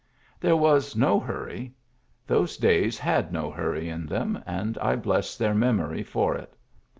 There was no hurry ; those days had no hurry in them, and I bless their memory for it.